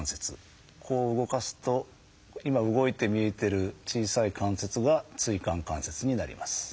こう動かすと今動いて見えてる小さい関節が椎間関節になります。